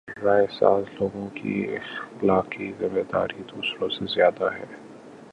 رائے ساز لوگوں کی اخلاقی ذمہ داری دوسروں سے زیادہ ہے۔